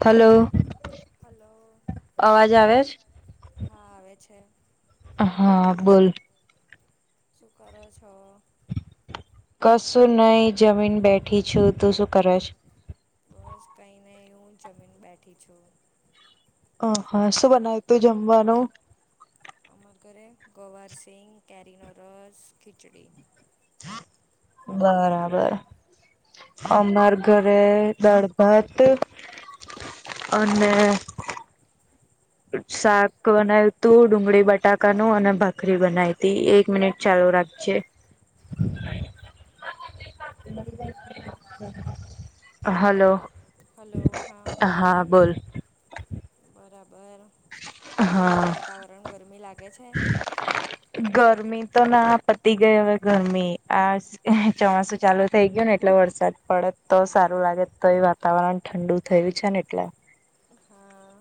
Hello hello અવાજ આવે છે? હા આવે છે હા બોલ શુ કરો છો કશું નહી જમીન બેઠી છું તું શું કરશ બસ કઈ ન હું જમીન બેઠી છું હ હા શું બનાવ તું જમવાનું અમા ઘરે ગવાર સિં કરીિનોરસ ખીચડી બરાબર અમાર ઘરે દળભત અને શાક બનાવ તું ડુંગળી બટાકાનું અને ભાખરી બનાવીતી એક મિનિટ ચાલો રાખજે [unintelligible] હાલો હા બોલ બરાબર કેવું હા વાતાવરણ ગરમી લાગે છે ગરમી તો ના પતી ગઈ હવે ગરમી આ ચોમાસું ચાલુ થઇ ગયું ને એટલે વરસાદ પડે તો સારું લાગે તો એ વાતાવરણ ઠંડુ થયું છે ને એટલે હા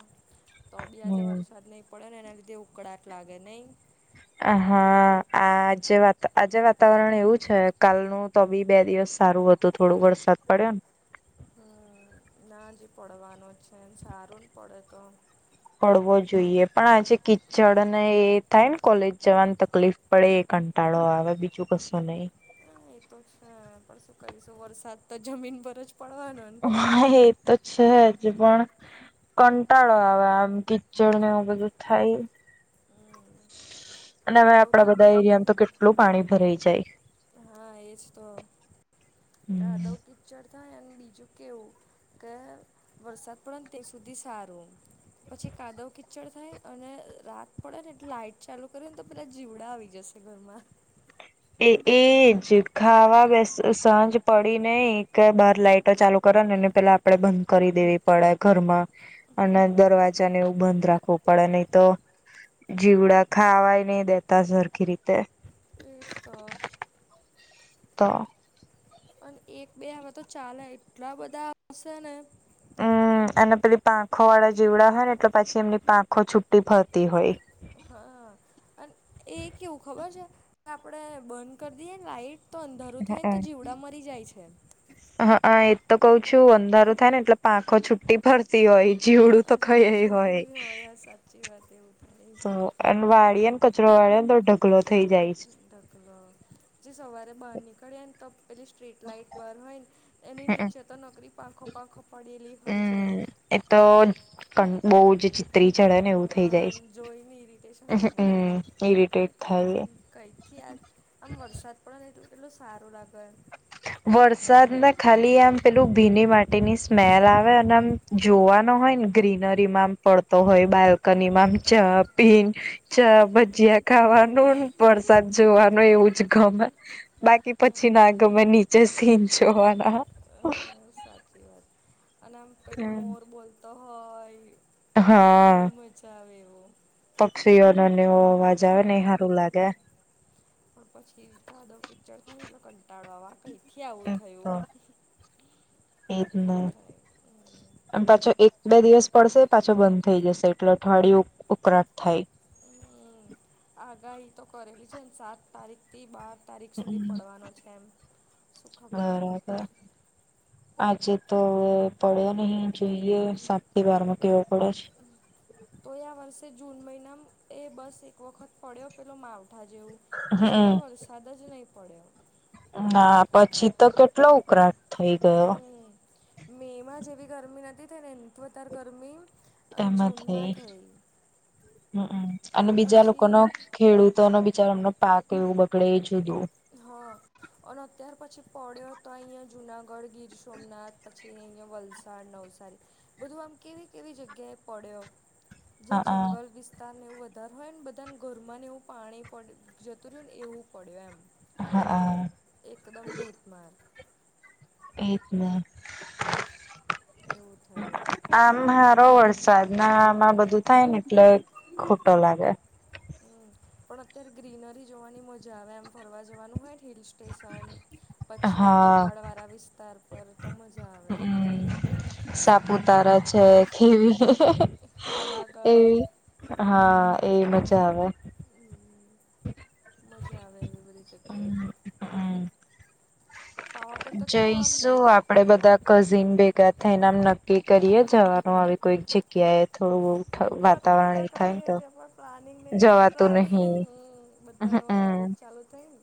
તો બી આજે હમ વરસાદ નહીં પડે ને એના લીધે ઉકળાટ લાગે નહી હા આજે વાત આજે વાતાવરણ એવું છે કાલનું તો બી બે દિવસ સારું હતું તો થોડો વરસાદ પડ્યો ને. હ. નાજી પડવાનું જ છે, સારું ન પડે તો પડવો જોઈએ પણ આજે કીચડ ને એ થાય કોલેજ જવાની તકલીફ પડે એ કંટાળો આવે બીજું કશું નહી હા, એ તો જ ને પણ શું કરીશું વરસાદ તો જમીન પર જ પડવાનો ને હ એ તો છે જ પણ કંટાળો આવે આમ કીચડ ને એવું બધું થાય હમ અને હવે કાદવ આપડા બધા પિક્ચર એરિયામાં તો થાય કેટલું પાણી ભરાઈ જાય. ને હા એજ તો હમ. રાદવ કિચ્ચર થાય અન બીજું કેવું કે વરસાદ પડે તે સુધી સારું પછી કાદવ કીચડ થાય અને રાત પડે ને એટલે લાઈટ ચાલુ કરે ને તો પેલા જીવડા આવી જશ ધરમાં. એ એજ ખાવા બેસ સાંજ પડી નઈ કે બાર લાઇ ટ ચાલુ કર ન ને પેલા આપડે બંધ કરી દેવી પડે ઘરમાં અને હમ દરવાજાને એવું બંધ રાખવું પડે નહી તો જીવડા ખાવાય ની દેતા સરખી રીતે એ જ ત ત. અને એક બે હવે તો ચાલે એટલા બધા આવશે ને હમ અને પેલી પાંખો વાળા જીવડા હોય ને એટલે પછી એમની પાંખો છુટી ફરતી હોય. હા અન એ કેવું ખબર છે, આપણે બંધ કરી દીએન લાાઈટ તો અંધારું થાય ન હમ. તો જીવડા મરી જાય છે. હા અ એ તો કઉ છું અંધારું થાય ને એટલે પાંખો છુટી ફરતી હોય જીવડું તો ખઈ હોય ચી વા તેવુ તો એન વાળી ન કચરો વાળી તો ઢગલો થઇ જાય છે. ઢકલો જે સવારે બાર નીકળ્યન ત પેલી સ્ટ્રીટ લાઈટ બાર હોય ને એની નીચે તો નકરી પાંખો પાંખો પડેલી હોય છે. હમ એ તો કન બો જી જી ત્રી ચરને એવું થઈ જાય આમ છે, જોઈને ઇરિટેશન [unintelligible] ઇરીટેટ થાય કંઈથી આજ આમ વરસાદ પડે તો એટલો સારું લાગે વરસાદ ના ખાલી આમ પેલું ભીની માટી ની સ્મેલ આવે અને આમ જોવાનો હોય ને ગ્રીનરી માંમ પડતો હોય બાલ્કનીમાંમ ચા પીન ચા ભજીયા ખાવાનું વરસાદ જોવાનું એવું જ ગમે બાકી પછી ના ગમે નીચે સીન જોવાના અ સાચી વાત અને આમ પેલો હમ મોર બોલતો હોય પણ એવી મજા આવે એવો પક્ષીઓ ન નેવો અવાજ આવે ને એ હારું લાગે પ પછી કાદવ કિચડ થાયને એટલે કંટાળો આવ કઈ થી આવું થયું એકને એવું થાય હમ એમ પાછો એક બે દિવસ પડશે પાછો બંધ થઈ જશે એટલે અઠવાડિયુ ઉકળાટ થાય હમ આગાહી તો કરેલી છે, ન સાત તારીખ તી બાર તારીખ સુધી હમ પડવાનો છે, એમ શું ખબર હવે બરાબર આજે તો હવે પડ્યો નહી જોઈએ સાત હવે થી બારમાં કેવો પડે તોયા વર્ષે જૂન મહિનામ એ બસ એક વખત પડ્યો પેલો માવ ઠા જેવું પછી કઈ હમ વરસાદ જ નહીં પડ્યો ના પછી તો કેટલો ઉકરા હમ મે માં જેવી ગરમી નથી થઈ ને એ વધાર ગરમી એમાં થઈ હમ અને બીજા લોકોનો. ખેડૂતો નો બિચારાનો એમનો પાક એવું બગડે એ જુદું. હા અને અત્યાર પછી પડ્યો હતો અહીંયા જુનાગઢ ગીર સોમનાથ. પછી અહીંયા વલસાડ નવસારી બધું આમ કેવી કેવી જગ્યાએ પડ્યો. હા જ્યા હા જંગલ વિસ તાર ને એવું વધારે હોય ન બધાને ઘરમાંને એવું પાણી પડ જતું રહ્યું ને એવું પડ્યું એમ હા આ એકદમ ધોધમાર એજ ને એવું થયું આમ હારો વરસાદ ના આમાં બધું થાય ને એટલે ખોટો લાગે અહં. પણ અત્યારે ગ્રીનરી જોવાની મજા આવે એમ ફરવા જવાનું હોય હિલ સ્ટેશન. પછી પહાડ હા વાળા વિસ્તાર પર તો મજા આવે આમ. સાપુતારા છે કેવી પાવાગઢ એવી. હા એ મજા આવે. હ મજા આવે એવી બધી જગ્યાએ. પાવાગઢ તો કેવું આમ. જઈશું આપડે બધા કઝિન ભેગા થઈને આમ નક્કી કરીએ જવાનું આવી કોઈક જગ્યાએ. થોડ બ ઉઠા. નક્કી તો કરીએ છેએ પણ પ્લાનિંગ નઈ તો જવાતું પ્લાનિંગ હ નહી બધ. ન કોલેજ હમ ચાલુ થાય ને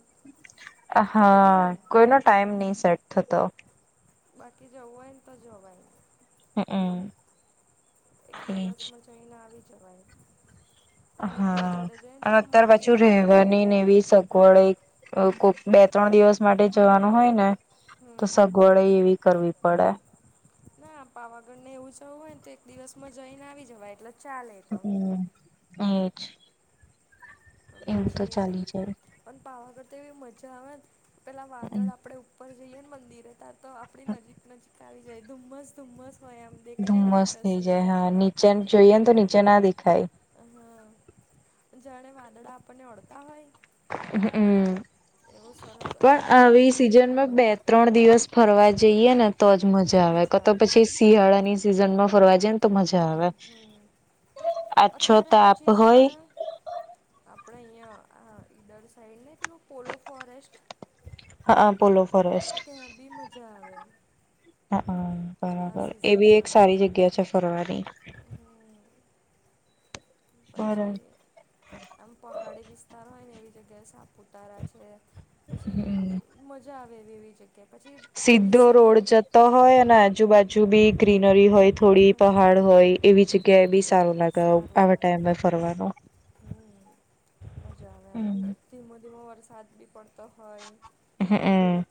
અચ્છા. હા કોઈનો ટાઈમ નહી સેટ થતો. બાકી જવુ હોય ને તો જવાય. હમહ. એક દિવસમાં જઈને આવી જવાય. અને બધા હા જોડે જઈને તો અને આમ અત્યાર પાછું મજા બી આવે રહેવાની એવી સગ. વડ કોક બે ત્રણ દિવસ માટે જવાનું હોય ને તો હમ સગવડ. એવી કરવી પડે. ના પાવાગઢ ને એવું જવું હોય ને તો એક દિવસ માં જઈને આવી જવાય એટલે. ચાલે તો હમ એ છે. પણ પછી ચાલી જાય પણ પાવાગઢ તો એવી મજા આવે પેલા વાદળ આપણેે. ઉપ જઈએને મંદિર ત્યા તો આપણી નજીક નજીક આવી જાય ધુમ્મસ ધુમ્મસ હોય એમ. દેખાય નહીં ધુમ્મસ થઈ જાય કશું હા નીચે જોઈએ ને તો નીચે ના દેખાય. હા જાણે વાદડા આપણને અડતા હોય. હમ એવું સરસ અને પણ એકદમ આવી ઠંડુ સિઝનમાં ઠંડુ. બે ત્રણ દિવસ ફરવા જઈએ ને તો જ મજા આવે કાતો પછી શિયાળાની સિઝન માં ફરવા જાય ને. તો મજા આવે હમ આછો તાપ હોય. આપડે અહીંયા આ ઈડર સાઈડ ને પેલું પોલો ફોરેસ્ટ. હહા પોલો ફોરેસ્ટ. ત્યાં બી મજા આવે હહા આ બરાબર એ બી એક સિઝનમાં સારી જગ્યા છે ફરવાની. હમ હમ પછી આમ પહાડી વિસ્તાર હોય ને એવી જગ્યાએ સાપુતારા છે. પછી આમ મજા આવે એવી એવી જગ્યાએ પછી. આ સીધો ડિસેમ રોડ જતો હોય અને આજુબાજુ બી ગ્રીનરી હોય થોડી હમ પહાડ. હોય એવી જગ્યાએ બી સારું લાગે સારું આવા લાગે. ટાઈમે ફરવાનો. મજા આવે એમ અને ધીમો ધીમો વરસાદ બી પડતો હોય. હહમ.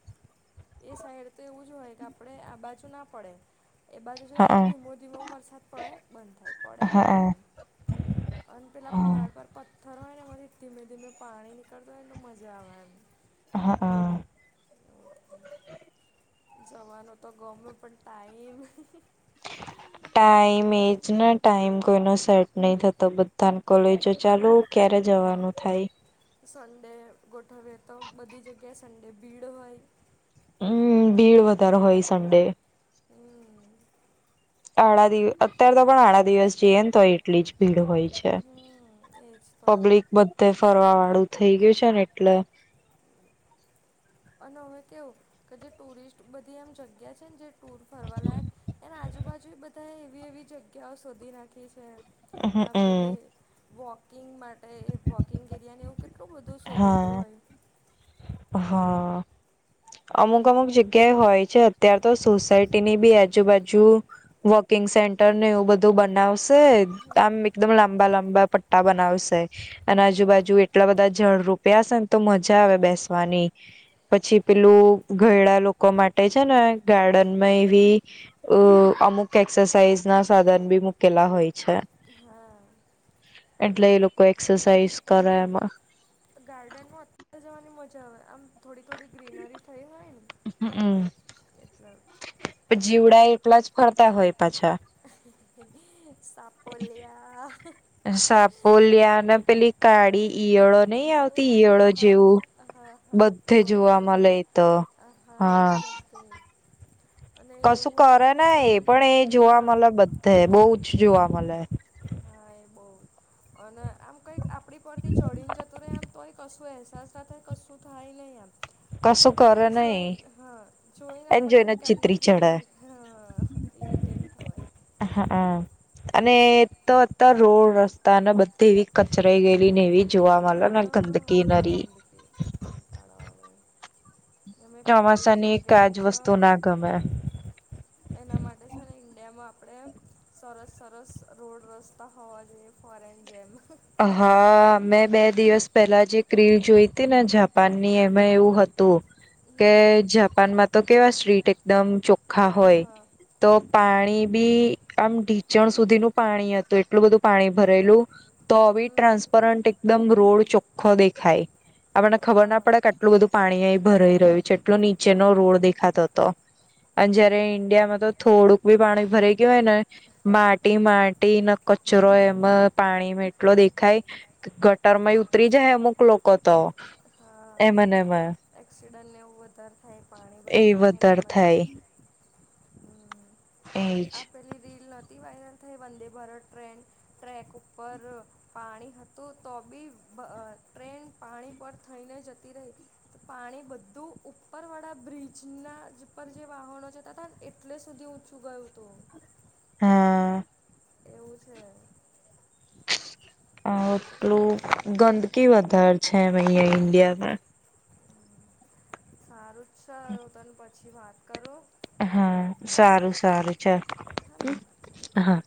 એ સાઈડ તો એવું જ હોય કે આપણે આ બાજુ ના પડે. એ બાજુ જોઈએ હા ને તો ધીમો ધીમો વરસાદ પડે બંધ થાય પડે હા બંધ થાય હા ને. અને પેલા પહાડ પર પ ઠરવાય ને એમાંથી ધીમે ધીમે પાણી નીકળત હોય મજા આવે એમ હા હા એવું થાય. જવાનો તો ગમયો પણ ટાઈમ ટાઈમ એજને ટાઈમ કોઈનો સેટ નહી થતો બધા કોલેજો ચાલુ. ક્યારે જવાનું થાય. સન્ડે ગોઠવીએ તો બધી જગ્યાએ સન્ડે ભીડ હોય. હમ ભીડ વધારે હોય સંડે. હમ આડા દિવ અત્યારે તો પણ આડા દિવસ જઈએ ને તોય એટલી જ ભીડ હોય. છે હમ એજ તો પબ્લિક બધે ફરવા વાળું થઈ ગયું છે ને એટલે. અને હવે કેવું કે જે ટુરિસ્ટ બધી એમ જગ્યા છે ને જે ટૂર ફરવાલાાયક. એના આજુબાજુએ બધાએ એવી એવી જગ્યાઓ શોધી નાખી છે. આ હમમ પેલી વોકિંગ માટે વોકિંગ એરિયાને એવું. એટલું બધું શોધેલું હા હોય. હા અમુક અમુક જગ્યાએ હોય છે અત્યાર તો સોસાયટીની બી આજુબાજુ વોકિંગ સેન્ટર ને એવું બધું બનાવશે. આમ એવું બધું એકદમ લાંબા લાંબા પટ્ટા બનાવશે અને બનાવશે ગાર્ડન આજુબાજુ એટલા બધા જડ રપિયાસે ને તો મજા આવે બેસવાની પછી પેલું ઘયડા લોકો માટે છે ને ગાર્ડનમાં એવી અ અમુક એક્સરસાઇઝ ના સાધન બી મુૂકેલા હોય છે. હા એટલે એ લોકો એક્સરસાાઈઝ કરે એમાં ગાર્ડનમાં અત્યારે જવાની મજા આવે આમ થોડી થોડી ગ્રીનરી થઈ હોય ને હમ એટલે જીવડા એટલા જ ફરતા હોય પાછા સાપોલિયા સાપોલ્યાને પેલી કાળી ઈયળો નહી આવતી ઈયળો હા હા જેવું હા બધે જોવા કોલેડીઓ મલે ઈતો હા હા બઘે કશું કરે નઈ એ પણ એ જોવા હા મળે બધે બહુ જ જોવા મળે. હા એ બહુ અને આમ કંઈક આપણી પરથી ચઢીન જતું ર રહે આમ તોય કશું અહેસાસ થતા કશું થાય નહીં આમ કશું પણ એમ કરે નઈ જોઈ હા જોઈને એને આપણને એમ જ કેમનું ચીતરી થઈ ચડે જતી હા ઇરિટેટ થવાય હા હા અને તો અતર રોડ રસ્તા અને બધી એવી કચરાઈ ગયેલી ને એવી. જોવા મલે ને ગંદકી હા નરી [inaudible] કંટાળો આવે એમાં પબ્લિક ચોમાસાની એક જગ્યા એ આજ તો વસ્તુ ના ગમે એના માટે છે ને ઈન્ડિયામાં આપણે સરસ સરસ રોડ રસ્તા હોવા જોઈએ. ફોરેન જાય એમા. હા મે બે દિવસ પહેલા જે ક્રીલ જોઈ હતી ને જાપાનની એમાં એવું હતું. કે હમ જાપાનમાં તો કેવા સ્ટ્રીટ એકદમ ચોખ્ખા હા હોય. હા તો પાણી બી આમ ઢીચણ સુધીનું પાણી હતું એટલું બધું પાણી ભરેલું. તો ભી ટ્રાન્સપરન્ટ એકદમ રોડ ચોખ્ખો દેખાય હમ આપને હા ખબર ના પડે. એટલું બધું પાણી અહી ભરાઈ રહ્યું છે એટલો નીચેનો રોડ હમ દેખાતો હતો. અને જયારે ઈન્ડિયા માં તો થોડુંક બી પાણી ભરાઈ ગયું હોય ને માટી માટી ના કચરો એમાં પાણી મે એટલો દેખાય ગટરમાંય ઉતરી જાય અમુક લોકો તો હા એમાં ને એમાં એક્સિડન્ટને એવું વધારે થાય પાણી એ ભરેલું હોય ને વધારે એમાંથી થાય હમ [inaudible] એજ આ પેલી રીલ નહોતી વાયરલ થઈ વંદે ભારત ટ્રેન ટ્રેક ઉપર પાણી હતું તો બી બ ટ્રેન પાણી પર થઈને જતી રહી. પાણી બધું ઉપર વાળા બ્રિજના ના જે ઉપર વાહનો જતા હતા ને એટલે સુધી ઊંચું ગયું હતું. હા એવું છે અ એટલું ગંદકી વધારે છે એમ અહીં ઈન્ડિયામાં સારું ચલ હું તને પછી વાત કરું હા સારું સારું ચલ હેને હા